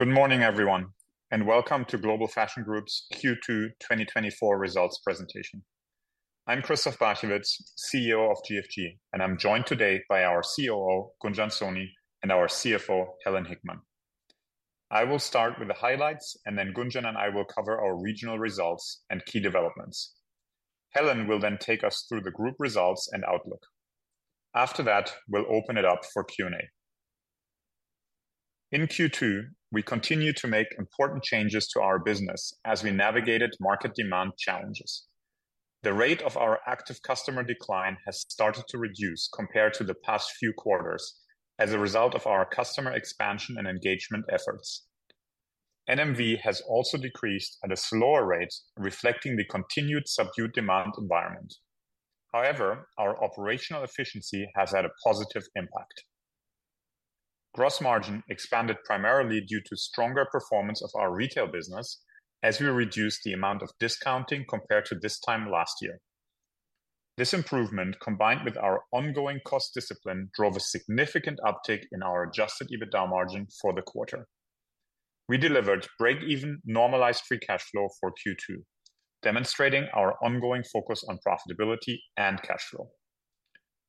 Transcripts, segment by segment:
Good morning, everyone, and welcome to Global Fashion Group's Q2 2024 results presentation. I'm Christoph Barchewitz, CEO of GFG, and I'm joined today by our COO, Gunjan Soni, and our CFO, Helen Hickman. I will start with the highlights, and then Gunjan and I will cover our regional results and key developments. Helen will then take us through the group results and outlook. After that, we'll open it up for Q&A. In Q2, we continued to make important changes to our business as we navigated market demand challenges. The rate of our active customer decline has started to reduce compared to the past few quarters as a result of our customer expansion and engagement efforts. NMV has also decreased at a slower rate, reflecting the continued subdued demand environment. However, our operational efficiency has had a positive impact. gross margin expanded primarily due to stronger performance of our retail business as we reduced the amount of discounting compared to this time last year. This improvement, combined with our ongoing cost discipline, drove a significant uptick in our adjusted EBITDA margin for the quarter. We delivered break-even normalized free cash flow for Q2, demonstrating our ongoing focus on profitability and cash flow.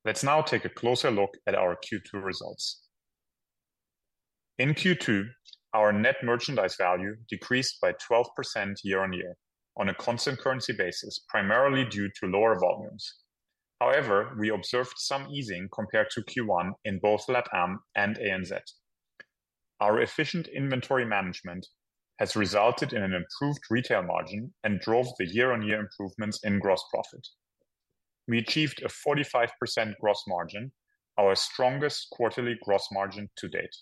Let's now take a closer look at our Q2 results. In Q2, our net merchandise value decreased by 12% year-on-year on a constant currency basis, primarily due to lower volumes. However, we observed some easing compared to Q1 in both LATAM and ANZ. Our efficient inventory management has resulted in an improved retail margin and drove the year-on-year improvements in gross profit. We achieved a 45% gross margin, our strongest quarterly gross margin to date.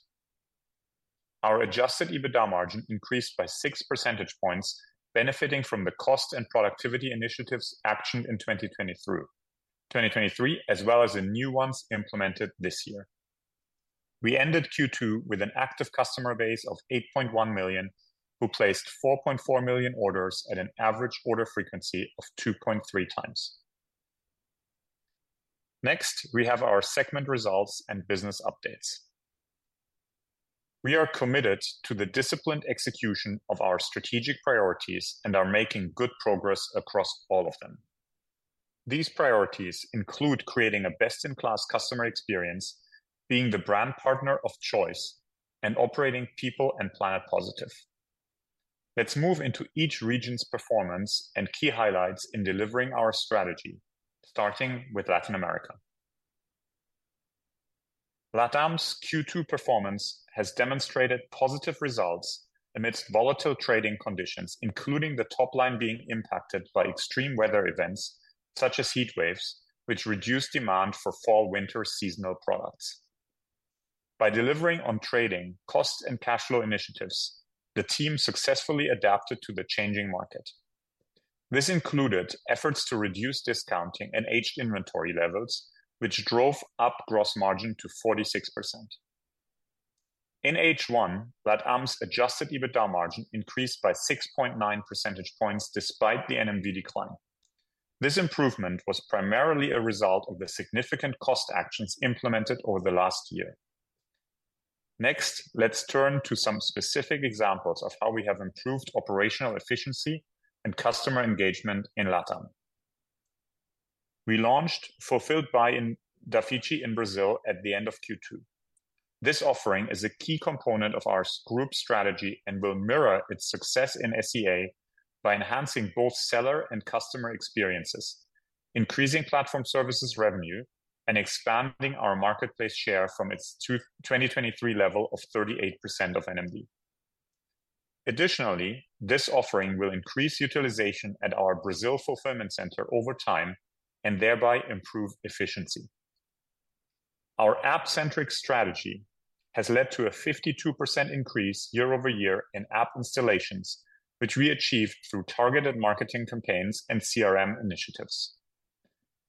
Our adjusted EBITDA margin increased by 6 percentage points, benefiting from the cost and productivity initiatives actioned in 2020 through 2023, as well as the new ones implemented this year. We ended Q2 with an active customer base of 8.1 million, who placed 4.4 million orders at an average order frequency of 2.3 times. Next, we have our segment results and business updates. We are committed to the disciplined execution of our strategic priorities and are making good progress across all of them. These priorities include creating a best-in-class customer experience, being the brand partner of choice, and operating people and planet positive. Let's move into each region's performance and key highlights in delivering our strategy, starting with Latin America. LATAM's Q2 performance has demonstrated positive results amidst volatile trading conditions, including the top line being impacted by extreme weather events, such as heatwaves, which reduced demand for fall/winter seasonal products. By delivering on trading, costs, and cash flow initiatives, the team successfully adapted to the changing market. This included efforts to reduce discounting and aged inventory levels, which drove up gross margin to 46%. In H1, LATAM's adjusted EBITDA margin increased by 6.9 percentage points, despite the NMV decline. This improvement was primarily a result of the significant cost actions implemented over the last year. Next, let's turn to some specific examples of how we have improved operational efficiency and customer engagement in LATAM. We launched Fulfilled by Dafiti in Brazil at the end of Q2. This offering is a key component of our group strategy and will mirror its success in SEA by enhancing both seller and customer experiences, increasing platform services revenue, and expanding our marketplace share from its 2023 level of 38% of NMV. Additionally, this offering will increase utilization at our Brazil fulfillment center over time, and thereby improve efficiency. Our app-centric strategy has led to a 52% increase year over year in app installations, which we achieved through targeted marketing campaigns and CRM initiatives.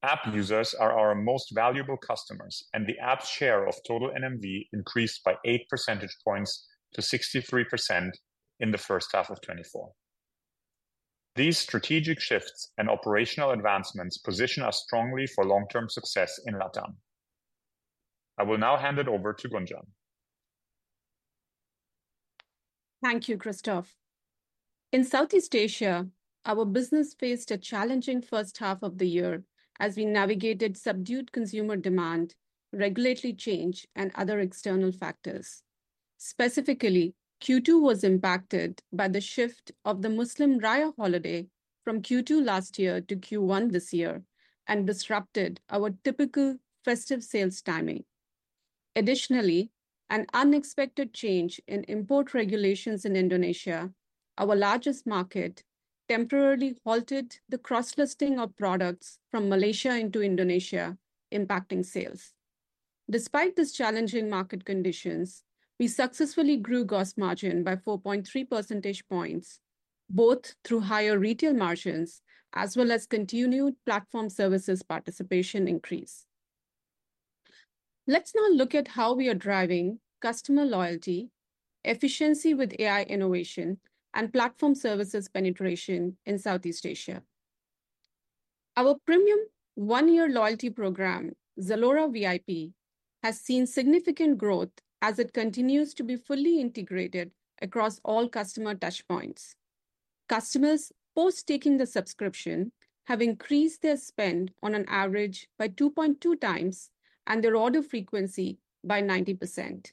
App users are our most valuable customers, and the app's share of total NMV increased by 8 percentage points to 63% in the first half of 2024. These strategic shifts and operational advancements position us strongly for long-term success in LATAM. I will now hand it over to Gunjan. Thank you, Christoph. In Southeast Asia, our business faced a challenging first half of the year as we navigated subdued consumer demand, regulatory change, and other external factors. Specifically, Q2 was impacted by the shift of the Muslim Raya holiday from Q2 last year to Q1 this year and disrupted our typical festive sales timing. Additionally, an unexpected change in import regulations in Indonesia, our largest market, temporarily halted the cross-listing of products from Malaysia into Indonesia, impacting sales. Despite this challenging market conditions, we successfully grew gross margin by 4.3 percentage points, both through higher retail margins as well as continued platform services participation increase. Let's now look at how we are driving customer loyalty, efficiency with AI innovation, and platform services penetration in Southeast Asia.... Our premium one-year loyalty program, ZALORA VIP, has seen significant growth as it continues to be fully integrated across all customer touchpoints. Customers post taking the subscription have increased their spend on an average by 2.2 times, and their order frequency by 90%.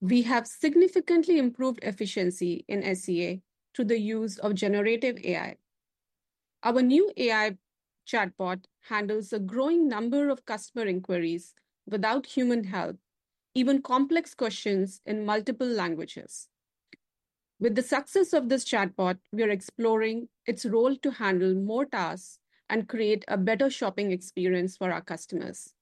We have significantly improved efficiency in SEA through the use of generative AI. Our new AI chatbot handles a growing number of customer inquiries without human help, even complex questions in multiple languages. With the success of this chatbot, we are exploring its role to handle more tasks and create a better shopping experience for our customers.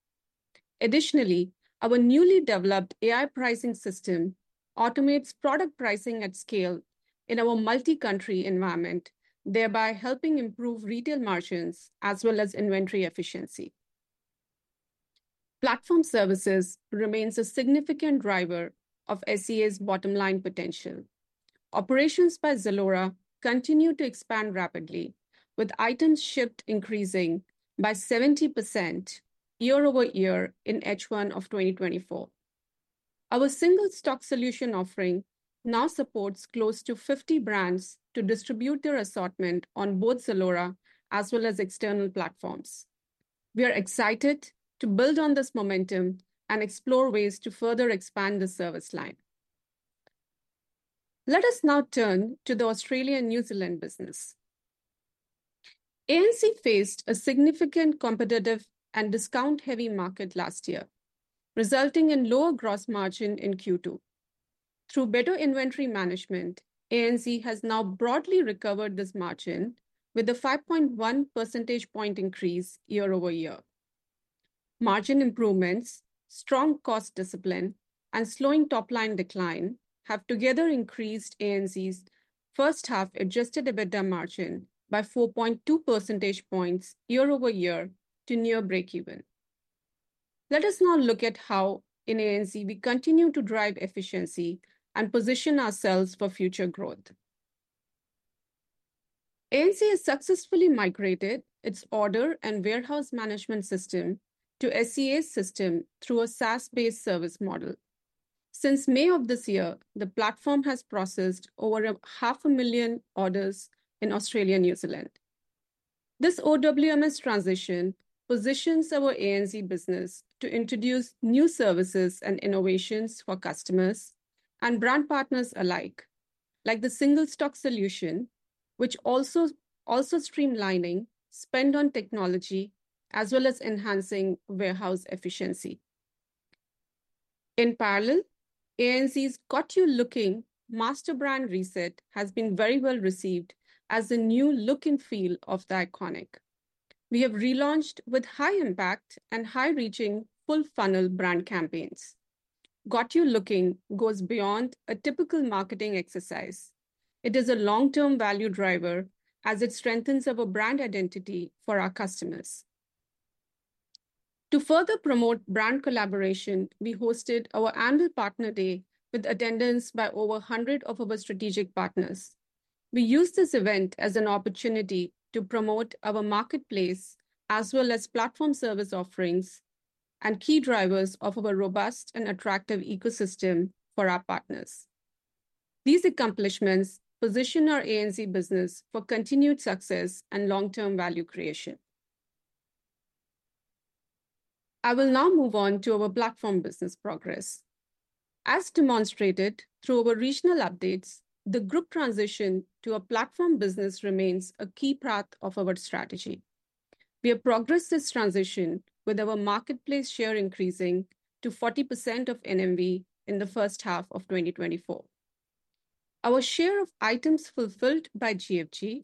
Additionally, our newly developed AI pricing system automates product pricing at scale in our multi-country environment, thereby helping improve retail margins as well as inventory efficiency. Platform services remains a significant driver of SEA's bottom line potential. Operations by ZALORA continue to expand rapidly, with items shipped increasing by 70% year-over-year in H1 of 2024. Our Single Stock Solution offering now supports close to 50 brands to distribute their assortment on both ZALORA as well as external platforms. We are excited to build on this momentum and explore ways to further expand the service line. Let us now turn to the Australia, New Zealand business. ANZ faced a significant competitive and discount-heavy market last year, resulting in lower gross margin in Q2. Through better inventory management, ANZ has now broadly recovered this margin with a 5.1 percentage point increase year-over-year. Margin improvements, strong cost discipline, and slowing top-line decline have together increased ANZ's first half adjusted EBITDA margin by 4.2 percentage points year-over-year to near breakeven. Let us now look at how in ANZ we continue to drive efficiency and position ourselves for future growth. ANZ has successfully migrated its order and warehouse management system to SEA's system through a SaaS-based service model. Since May of this year, the platform has processed over 500,000 orders in Australia, New Zealand. This OWMS transition positions our ANZ business to introduce new services and innovations for customers and brand partners alike, like the Single Stock Solution, which also streamlining spend on technology as well as enhancing warehouse efficiency. In parallel, ANZ's Got You Looking master brand reset has been very well received as the new look and feel of THE ICONIC. We have relaunched with high impact and high-reaching full funnel brand campaigns. Got You Looking goes beyond a typical marketing exercise. It is a long-term value driver as it strengthens our brand identity for our customers. To further promote brand collaboration, we hosted our annual partner day with attendance by over a hundred of our strategic partners. We used this event as an opportunity to promote our marketplace, as well as platform service offerings and key drivers of our robust and attractive ecosystem for our partners. These accomplishments position our ANZ business for continued success and long-term value creation. I will now move on to our platform business progress. As demonstrated through our regional updates, the group transition to a platform business remains a key part of our strategy. We have progressed this transition with our marketplace share increasing to 40% of NMV in the first half of 2024. Our share of items fulfilled by GFG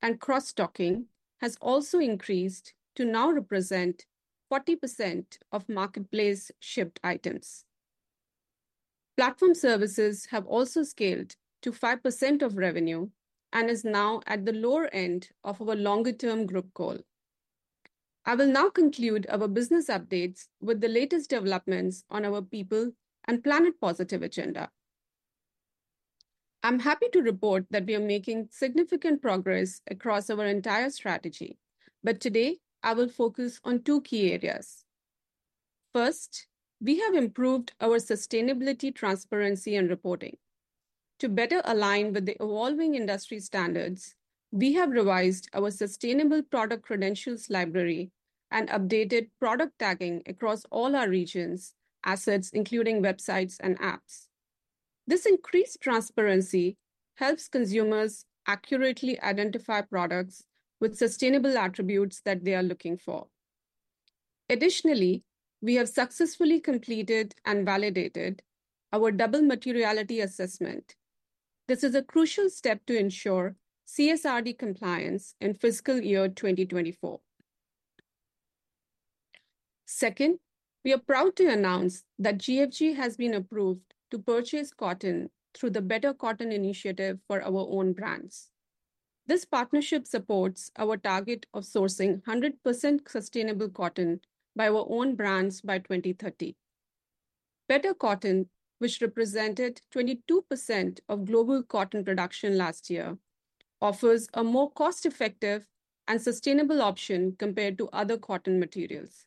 and cross-docking has also increased to now represent 40% of marketplace shipped items. Platform services have also scaled to 5% of revenue and is now at the lower end of our longer-term group goal. I will now conclude our business updates with the latest developments on our people and planet positive agenda. I'm happy to report that we are making significant progress across our entire strategy, but today, I will focus on two key areas. First, we have improved our sustainability, transparency, and reporting. To better align with the evolving industry standards, we have revised our sustainable product credentials library and updated product tagging across all our regions, assets, including websites and apps. This increased transparency helps consumers accurately identify products with sustainable attributes that they are looking for. Additionally, we have successfully completed and validated our double materiality assessment. This is a crucial step to ensure CSRD compliance in fiscal year 2024. Second, we are proud to announce that GFG has been approved to purchase cotton through the Better Cotton Initiative for our own brands. This partnership supports our target of sourcing 100% sustainable cotton by our own brands by 2030.... Better Cotton, which represented 22% of global cotton production last year, offers a more cost-effective and sustainable option compared to other cotton materials.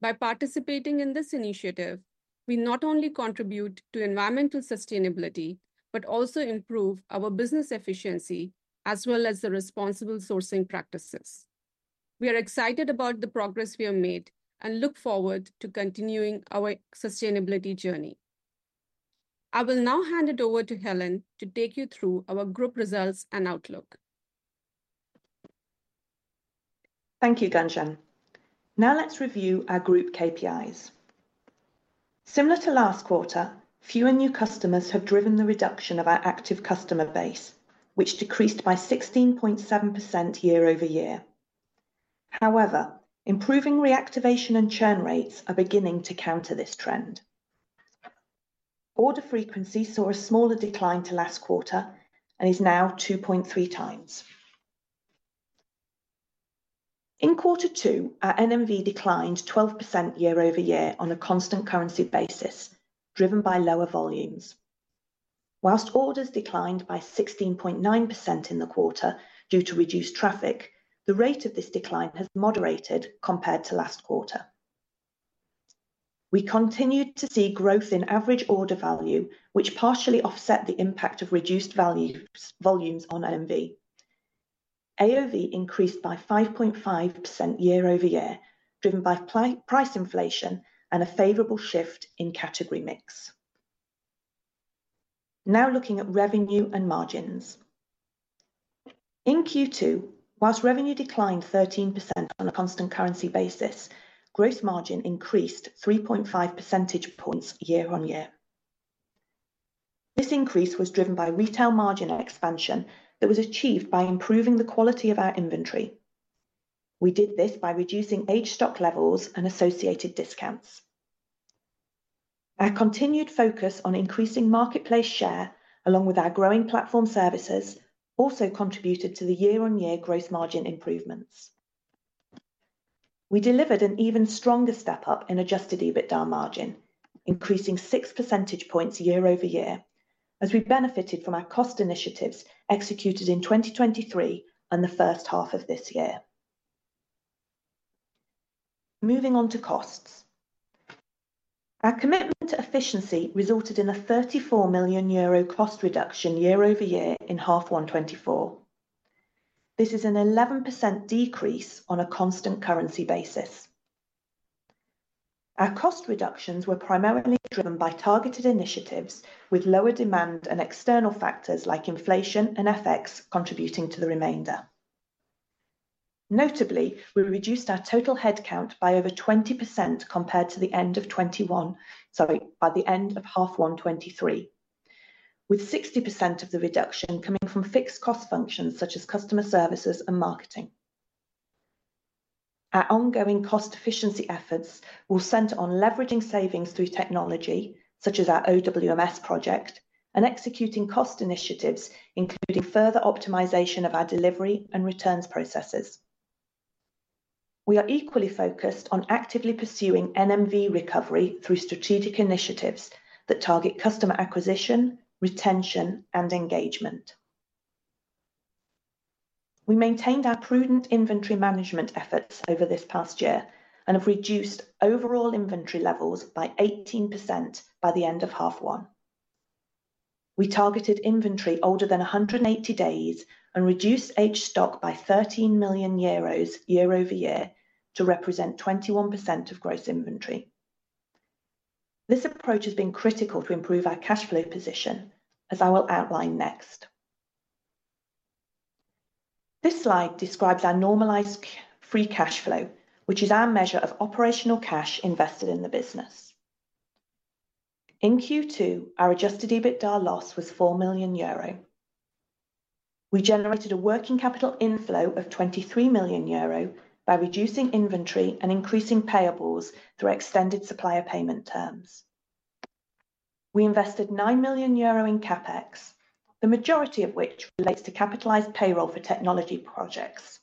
By participating in this initiative, we not only contribute to environmental sustainability, but also improve our business efficiency, as well as the responsible sourcing practices. We are excited about the progress we have made and look forward to continuing our sustainability journey. I will now hand it over to Helen to take you through our group results and outlook. Thank you, Gunjan. Now let's review our group KPIs. Similar to last quarter, fewer new customers have driven the reduction of our active customer base, which decreased by 16.7% year-over-year. However, improving reactivation and churn rates are beginning to counter this trend. Order frequency saw a smaller decline to last quarter and is now 2.3 times. In quarter two, our NMV declined 12% year-over-year on a constant currency basis, driven by lower volumes. While orders declined by 16.9% in the quarter due to reduced traffic, the rate of this decline has moderated compared to last quarter. We continued to see growth in average order value, which partially offset the impact of reduced values, volumes on NMV. AOV increased by 5.5% year-over-year, driven by price inflation and a favorable shift in category mix. Now looking at revenue and margins. In Q2, while revenue declined 13% on a constant currency basis, gross margin increased 3.5 percentage points year-on-year. This increase was driven by retail margin expansion that was achieved by improving the quality of our inventory. We did this by reducing aged stock levels and associated discounts. Our continued focus on increasing marketplace share, along with our growing platform services, also contributed to the year-on-year gross margin improvements. We delivered an even stronger step-up in adjusted EBITDA margin, increasing 6 percentage points year-over-year, as we benefited from our cost initiatives executed in 2023 and the first half of this year. Moving on to costs. Our commitment to efficiency resulted in a 34 million euro cost reduction year-over-year in H1 2024. This is an 11% decrease on a constant currency basis. Our cost reductions were primarily driven by targeted initiatives, with lower demand and external factors like inflation and FX contributing to the remainder. Notably, we reduced our total headcount by over 20% compared to the end of 2021, sorry, by the end of H1 2023, with 60% of the reduction coming from fixed cost functions such as customer services and marketing. Our ongoing cost efficiency efforts will center on leveraging savings through technology, such as our OWMS project, and executing cost initiatives, including further optimization of our delivery and returns processes. We are equally focused on actively pursuing NMV recovery through strategic initiatives that target customer acquisition, retention, and engagement. We maintained our prudent inventory management efforts over this past year and have reduced overall inventory levels by 18% by the end of half one. We targeted inventory older than 180 days and reduced aged stock by 13 million euros year-over-year to represent 21% of gross inventory. This approach has been critical to improve our cash flow position, as I will outline next. This slide describes our normalized free cash flow, which is our measure of operational cash invested in the business. In Q2, our adjusted EBITDA loss was 4 million euro. We generated a working capital inflow of 23 million euro by reducing inventory and increasing payables through extended supplier payment terms. We invested 9 million euro in CapEx, the majority of which relates to capitalized payroll for technology projects.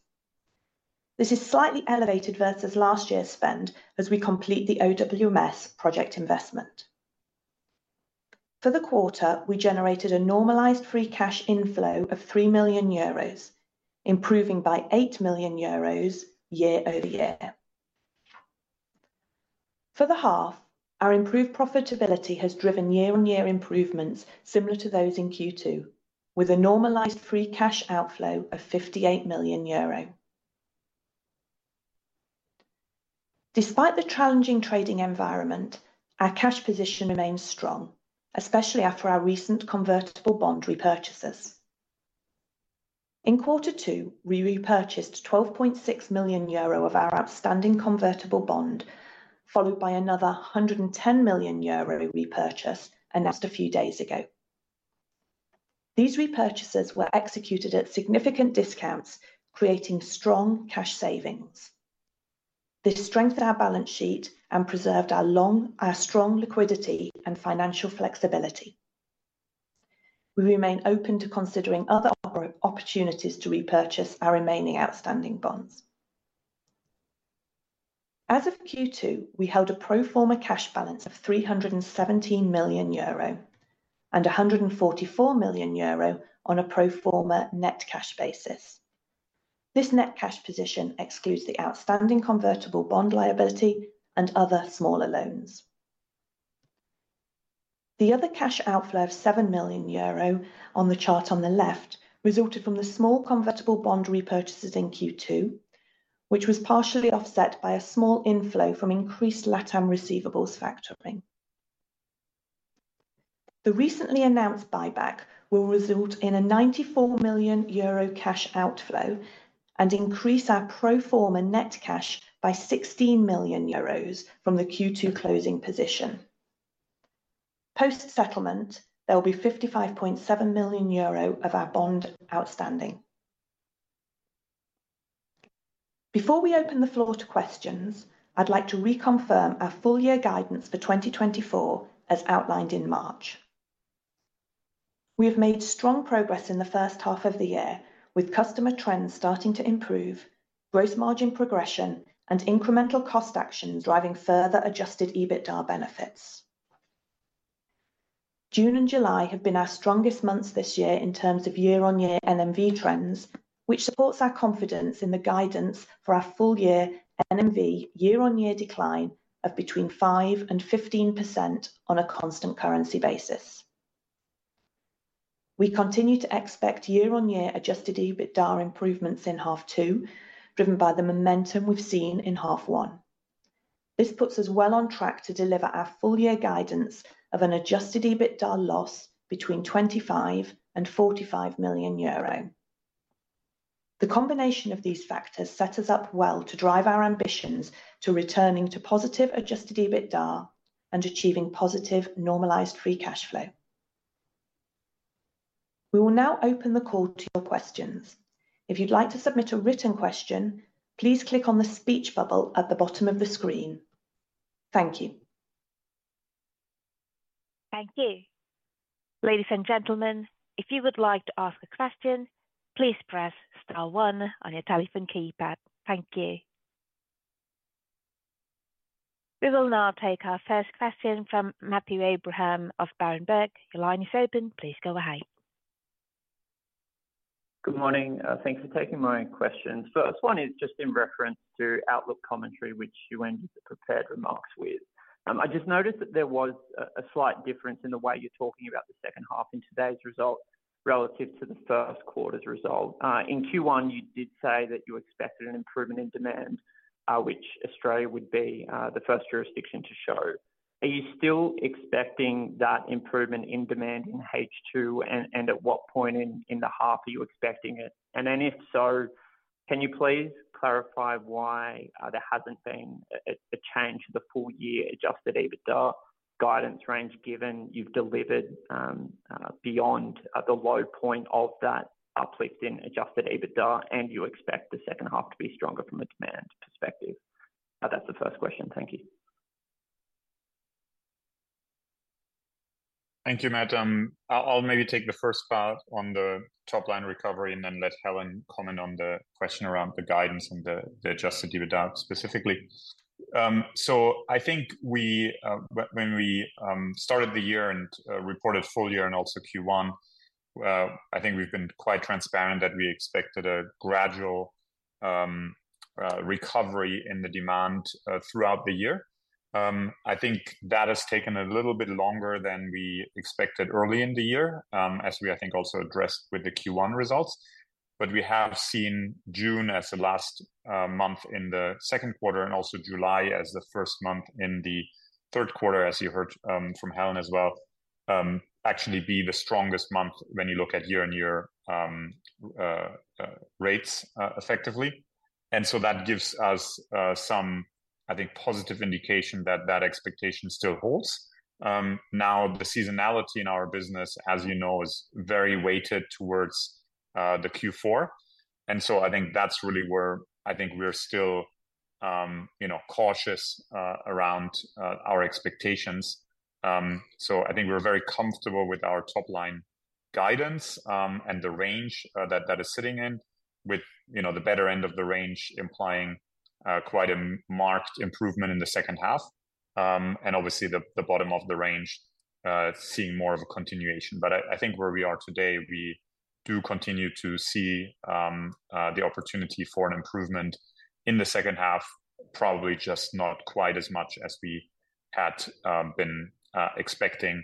This is slightly elevated versus last year's spend as we complete the OWMS project investment. For the quarter, we generated a normalized free cash inflow of 3 million euros, improving by 8 million euros year-over-year. For the half, our improved profitability has driven year-on-year improvements similar to those in Q2, with a normalized free cash outflow of 58 million euro. Despite the challenging trading environment, our cash position remains strong, especially after our recent convertible bond repurchases. In quarter two, we repurchased 12.6 million euro of our outstanding convertible bond, followed by another 110 million euro repurchase announced a few days ago. These repurchases were executed at significant discounts, creating strong cash savings. This strengthened our balance sheet and preserved our strong liquidity and financial flexibility.... We remain open to considering other opportunities to repurchase our remaining outstanding bonds. As of Q2, we held a pro forma cash balance of 317 million euro, and 144 million euro on a pro forma net cash basis. This net cash position excludes the outstanding convertible bond liability and other smaller loans. The other cash outflow of 7 million euro on the chart on the left resulted from the small convertible bond repurchases in Q2, which was partially offset by a small inflow from increased LATAM receivables factoring. The recently announced buyback will result in a 94 million euro cash outflow and increase our pro forma net cash by 16 million euros from the Q2 closing position. Post-settlement, there will be 55.7 million euro of our bond outstanding. Before we open the floor to questions, I'd like to reconfirm our full year guidance for 2024, as outlined in March. We have made strong progress in the first half of the year, with customer trends starting to improve, gross margin progression and incremental cost action driving further adjusted EBITDA benefits. June and July have been our strongest months this year in terms of year-on-year NMV trends, which supports our confidence in the guidance for our full year NMV year-on-year decline of between 5% and 15% on a constant currency basis. We continue to expect year-on-year adjusted EBITDA improvements in half two, driven by the momentum we've seen in half one. This puts us well on track to deliver our full year guidance of an adjusted EBITDA loss between 25 million and 45 million euro. The combination of these factors set us up well to drive our ambitions to returning to positive adjusted EBITDA and achieving positive normalized free cash flow. We will now open the call to your questions. If you'd like to submit a written question, please click on the speech bubble at the bottom of the screen. Thank you. Thank you. Ladies and gentlemen, if you would like to ask a question, please press star one on your telephone keypad. Thank you. We will now take our first question from Matthew Abraham of Berenberg. Your line is open. Please go ahead. Good morning, thanks for taking my questions. First one is just in reference to outlook commentary, which you ended the prepared remarks with. I just noticed that there was a slight difference in the way you're talking about the second half in today's results relative to the first quarter's result. In Q1, you did say that you expected an improvement in demand, which Australia would be the first jurisdiction to show. Are you still expecting that improvement in demand in H2, and at what point in the half are you expecting it? And then if so, can you please clarify why there hasn't been a change to the full year adjusted EBITDA guidance range, given you've delivered beyond the low point of that uplift in adjusted EBITDA, and you expect the second half to be stronger from a demand perspective? That's the first question. Thank you. Thank you, Matt. I'll maybe take the first part on the top line recovery, and then let Helen comment on the question around the guidance and the adjusted EBITDA specifically. So I think we. When we started the year and reported full year and also Q1, I think we've been quite transparent that we expected a gradual recovery in the demand throughout the year. I think that has taken a little bit longer than we expected early in the year, as we, I think, also addressed with the Q1 results. But we have seen June as the last month in the second quarter, and also July as the first month in the third quarter, as you heard from Helen as well, actually be the strongest month when you look at year-on-year rates, effectively. And so that gives us some, I think, positive indication that that expectation still holds. Now, the seasonality in our business, as you know, is very weighted towards the Q4, and so I think that's really where I think we're still, you know, cautious around our expectations. So I think we're very comfortable with our top line guidance, and the range that that is sitting in with, you know, the better end of the range implying quite a marked improvement in the second half. And obviously, the bottom of the range seeing more of a continuation. But I think where we are today, we do continue to see the opportunity for an improvement in the second half, probably just not quite as much as we had been expecting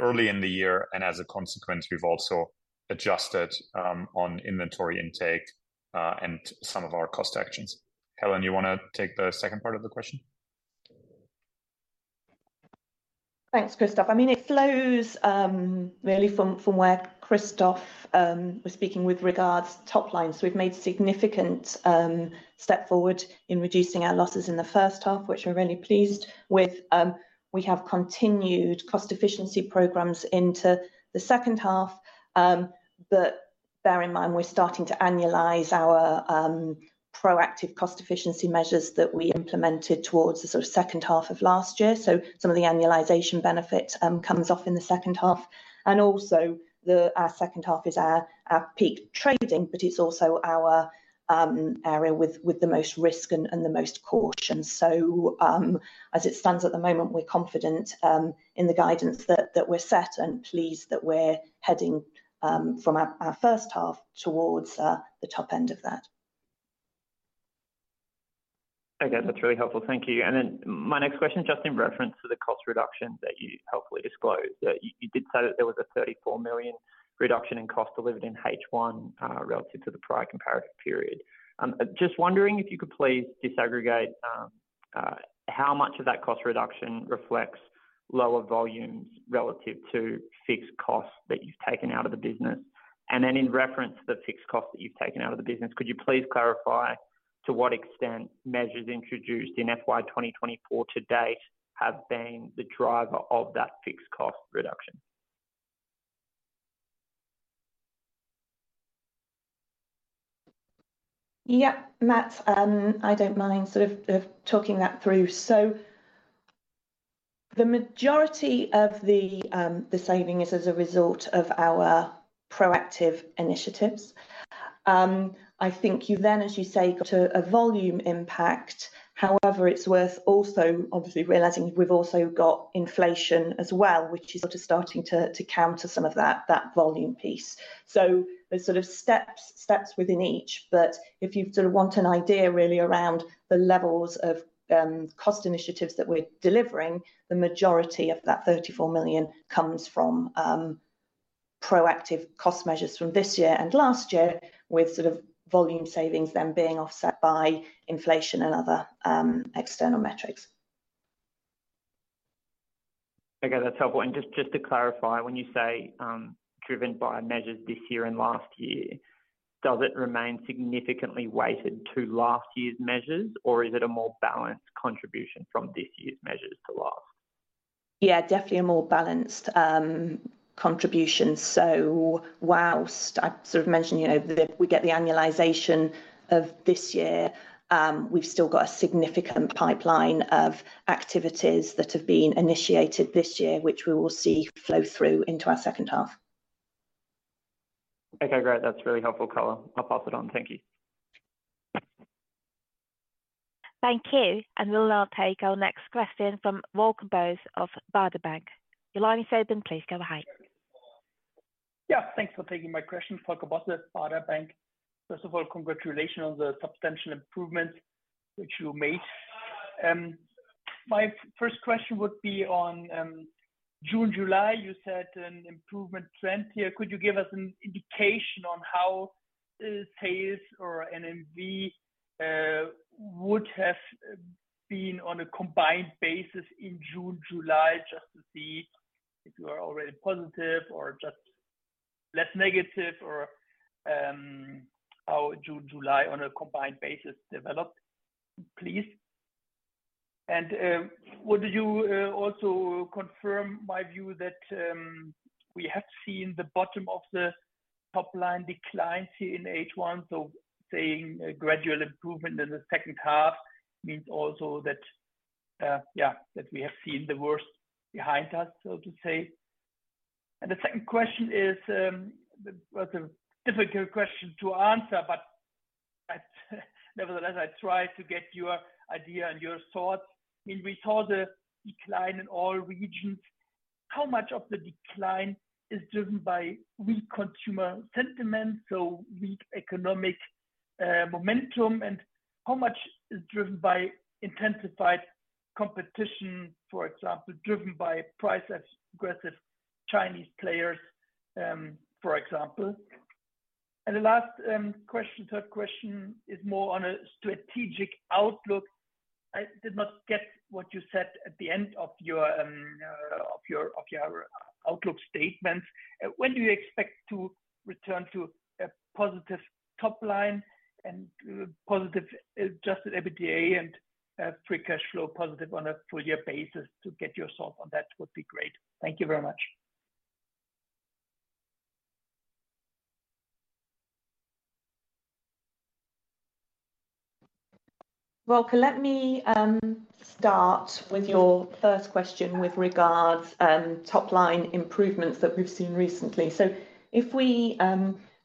early in the year. And as a consequence, we've also adjusted on inventory intake and some of our cost actions. Helen, you wanna take the second part of the question? Thanks, Christoph. I mean, it flows really from, from where Christoph was speaking with regards top line. So we've made significant step forward in reducing our losses in the first half, which we're really pleased with. We have continued cost efficiency programs into the second half, but bear in mind, we're starting to annualize our proactive cost efficiency measures that we implemented towards the sort of second half of last year. So some of the annualization benefit comes off in the second half. And also, our second half is our peak trading, but it's also our area with the most risk and the most caution. So, as it stands at the moment, we're confident in the guidance that we're set and pleased that we're heading from our first half towards the top end of that. Okay, that's really helpful. Thank you. And then my next question, just in reference to the cost reductions that you helpfully disclosed. You did say that there was a 34 million reduction in cost delivered in H1, relative to the prior comparative period. Just wondering if you could please disaggregate, how much of that cost reduction reflects lower volumes relative to fixed costs that you've taken out of the business? And then in reference to the fixed costs that you've taken out of the business, could you please clarify to what extent measures introduced in FY 2024 to date have been the driver of that fixed cost reduction? Yeah, Matt, I don't mind sort of talking that through. So the majority of the saving is as a result of our proactive initiatives. I think you then, as you say, got a volume impact. However, it's worth also obviously realizing we've also got inflation as well, which is sort of starting to counter some of that volume piece. So there's sort of steps within each, but if you sort of want an idea really around the levels of cost initiatives that we're delivering, the majority of that 34 million comes from proactive cost measures from this year and last year, with sort of volume savings then being offset by inflation and other external metrics. Okay, that's helpful. And just, just to clarify, when you say, driven by measures this year and last year, does it remain significantly weighted to last year's measures, or is it a more balanced contribution from this year's measures to last? Yeah, definitely a more balanced contribution. So whilst I sort of mentioned, you know, we get the annualization of this year, we've still got a significant pipeline of activities that have been initiated this year, which we will see flow through into our second half. Okay, great. That's really helpful color. I'll pass it on. Thank you. Thank you, and we'll now take our next question from Volker Bosse of Baader Bank. Your line is open. Please go ahead. Yeah, thanks for taking my question. Volker Bosse at Baader Bank. First of all, congratulations on the substantial improvements which you made. My first question would be on June, July, you said an improvement trend here. Could you give us an indication on how sales or NMV would have been on a combined basis in June, July, just to see if you are already positive or just less negative or how June, July on a combined basis developed, please? Would you also confirm my view that we have seen the bottom of the top line declines here in H1, so saying a gradual improvement in the second half means also that yeah, that we have seen the worst behind us, so to say? The second question is, well, it's a difficult question to answer, but I nevertheless try to get your idea and your thoughts. I mean, we saw the decline in all regions. How much of the decline is driven by weak consumer sentiment, so weak economic momentum? And how much is driven by intensified competition, for example, driven by price-aggressive Chinese players, for example? And the last question, third question is more on a strategic outlook. I did not get what you said at the end of your outlook statement. When do you expect to return to a positive top line and positive adjusted EBITDA and free cash flow positive on a full year basis? To get yourself on that would be great. Thank you very much. Well, let me start with your first question with regards to top-line improvements that we've seen recently. So if we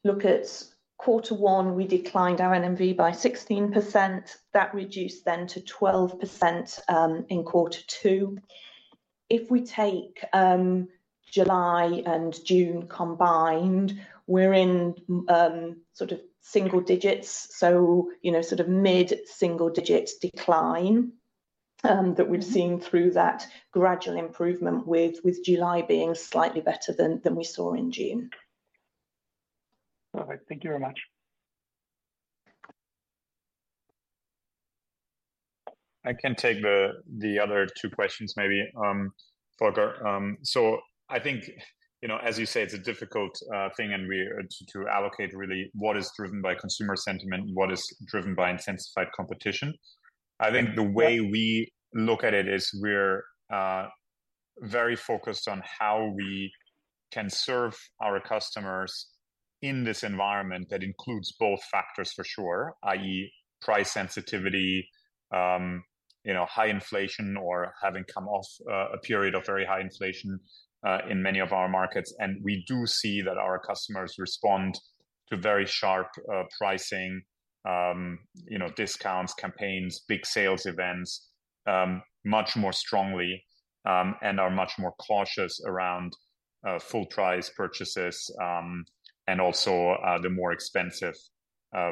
look at quarter one, we declined our NMV by 16%. That reduced then to 12% in quarter two. If we take July and June combined, we're in sort of single digits. So you know, sort of mid-single-digit decline that we've seen through that gradual improvement with July being slightly better than we saw in June. All right. Thank you very much. I can take the other two questions maybe, Volker. So I think, you know, as you say, it's a difficult thing, and we to allocate really what is driven by consumer sentiment and what is driven by intensified competition. I think the way we look at it is we're very focused on how we can serve our customers in this environment that includes both factors for sure, i.e., price sensitivity, you know, high inflation or having come off a period of very high inflation in many of our markets. And we do see that our customers respond to very sharp pricing, you know, discounts, campaigns, big sales events, much more strongly, and are much more cautious around full price purchases, and also the more expensive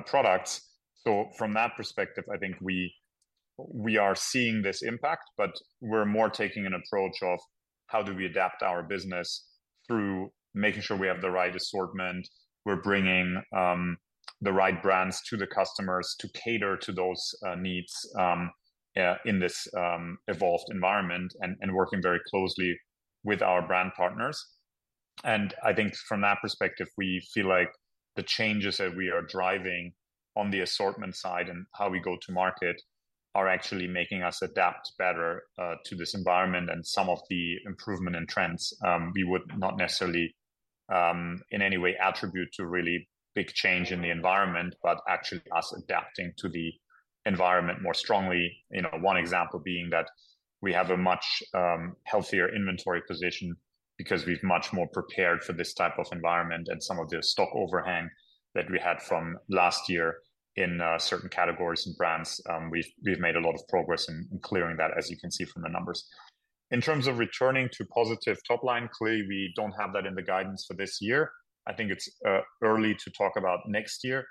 products. So from that perspective, I think we are seeing this impact, but we're more taking an approach of how do we adapt our business through making sure we have the right assortment, we're bringing the right brands to the customers to cater to those needs in this evolved environment, and working very closely with our brand partners. And I think from that perspective, we feel like the changes that we are driving on the assortment side and how we go to market are actually making us adapt better to this environment and some of the improvement in trends, we would not necessarily in any way attribute to really big change in the environment, but actually us adapting to the environment more strongly. You know, one example being that we have a much healthier inventory position because we're much more prepared for this type of environment and some of the stock overhang that we had from last year in certain categories and brands, we've made a lot of progress in clearing that, as you can see from the numbers. In terms of returning to positive top line, clearly, we don't have that in the guidance for this year. I think it's early to talk about next year.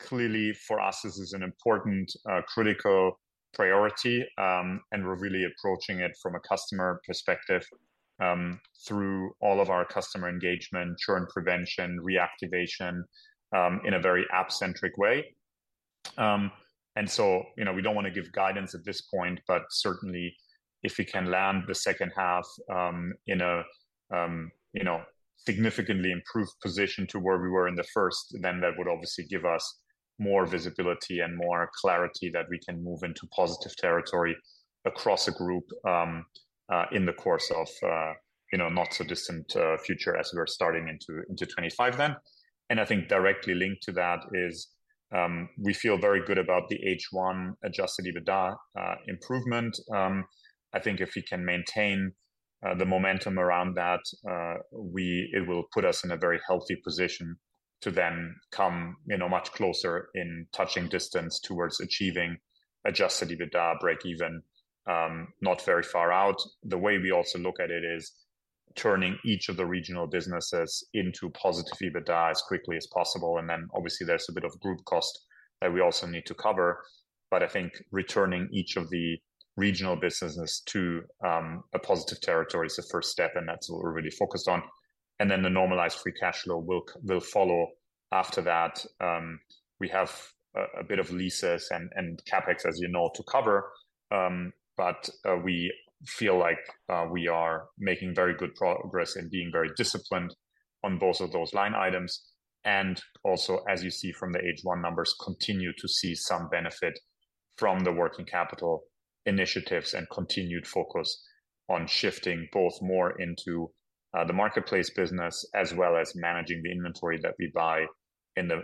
Clearly, for us, this is an important critical priority, and we're really approaching it from a customer perspective, through all of our customer engagement, churn prevention, reactivation, in a very app-centric way. And so, you know, we don't want to give guidance at this point, but certainly if we can land the second half, in a, you know, significantly improved position to where we were in the first, then that would obviously give us more visibility and more clarity that we can move into positive territory across a group, in the course of, you know, not so distant, future as we're starting into, into 2025 then. And I think directly linked to that is, we feel very good about the H1 adjusted EBITDA, improvement. I think if we can maintain, the momentum around that, it will put us in a very healthy position to then come, you know, much closer in touching distance towards achieving adjusted EBITDA breakeven, not very far out. The way we also look at it is turning each of the regional businesses into positive EBITDA as quickly as possible, and then obviously there's a bit of group cost that we also need to cover. But I think returning each of the regional businesses to a positive territory is the first step, and that's what we're really focused on. And then the normalized free cash flow will follow after that. We have a bit of leases and CapEx, as you know, to cover, but we feel like we are making very good progress and being very disciplined on both of those line items. And also, as you see from the H1 numbers, continue to see some benefit from the working capital initiatives and continued focus on shifting both more into the marketplace business, as well as managing the inventory that we buy in the,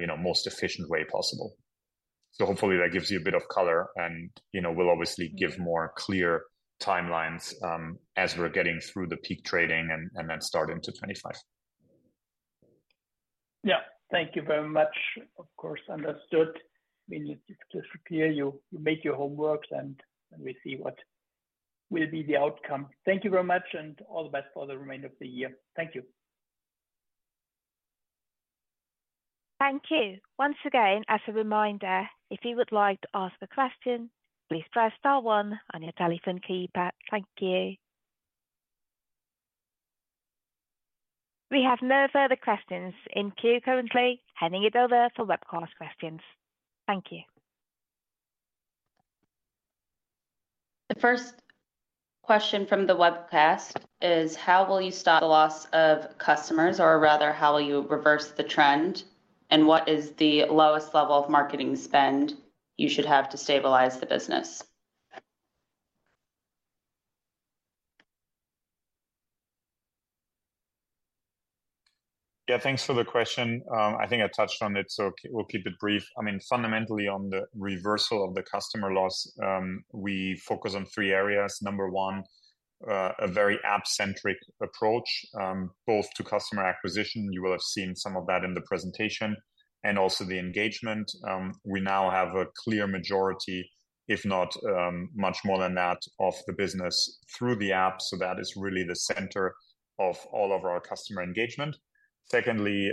you know, most efficient way possible. So hopefully that gives you a bit of color, and, you know, we'll obviously give more clear timelines, as we're getting through the peak trading and, and then start into 2025. Yeah. Thank you very much. Of course, understood. We need to clear you—you make your homework, and we see what will be the outcome. Thank you very much, and all the best for the remainder of the year. Thank you. Thank you. Once again, as a reminder, if you would like to ask a question, please press star one on your telephone keypad. Thank you. We have no further questions in queue currently. Handing it over for webcast questions. Thank you. The first question from the webcast is: How will you stop the loss of customers, or rather, how will you reverse the trend? And what is the lowest level of marketing spend you should have to stabilize the business? Yeah, thanks for the question. I think I touched on it, so we'll keep it brief. I mean, fundamentally, on the reversal of the customer loss, we focus on three areas. Number one, a very app-centric approach, both to customer acquisition, you will have seen some of that in the presentation, and also the engagement. We now have a clear majority, if not, much more than that, of the business through the app, so that is really the center of all of our customer engagement. Secondly,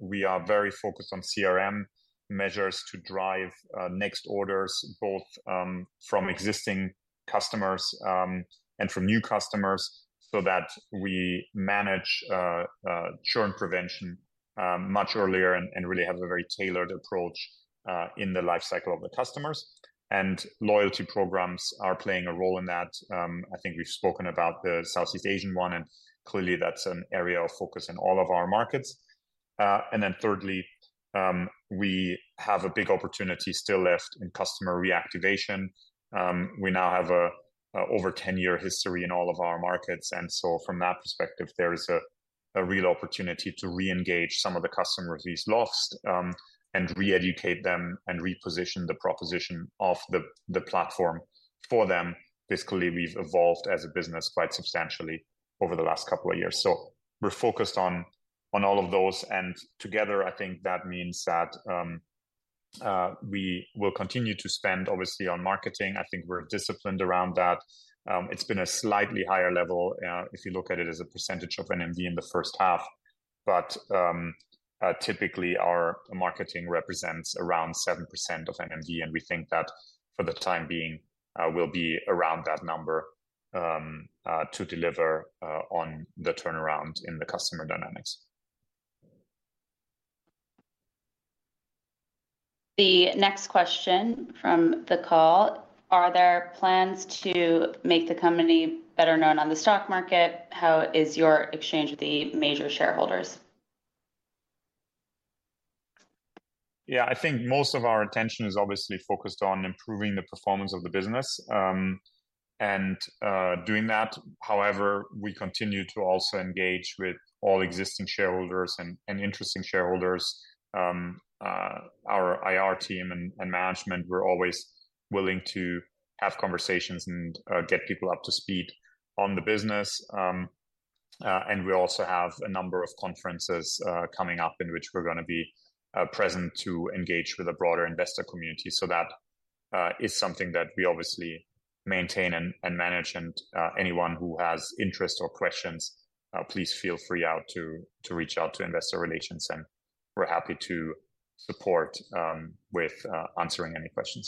we are very focused on CRM measures to drive next orders, both from existing customers and from new customers, so that we manage churn prevention much earlier and really have a very tailored approach in the life cycle of the customers. Loyalty programs are playing a role in that. I think we've spoken about the Southeast Asian one, and clearly that's an area of focus in all of our markets. And then thirdly, we have a big opportunity still left in customer reactivation. We now have a 10-year history in all of our markets, and so from that perspective, there is a real opportunity to reengage some of the customers we've lost, and reeducate them and reposition the proposition of the platform for them. Basically, we've evolved as a business quite substantially over the last couple of years. So we're focused on all of those, and together, I think that means that we will continue to spend obviously on marketing. I think we're disciplined around that. It's been a slightly higher level, if you look at it as a percentage of NMV in the first half. But, typically, our marketing represents around 7% of NMV, and we think that for the time being, we'll be around that number, to deliver, on the turnaround in the customer dynamics. The next question from the call: Are there plans to make the company better known on the stock market? How is your exchange with the major shareholders? Yeah, I think most of our attention is obviously focused on improving the performance of the business, and doing that. However, we continue to also engage with all existing shareholders and interesting shareholders. Our IR team and management, we're always willing to have conversations and get people up to speed on the business. And we also have a number of conferences coming up, in which we're gonna be present to engage with a broader investor community. So that is something that we obviously maintain and manage, and anyone who has interest or questions, please feel free to reach out to investor relations, and we're happy to support with answering any questions.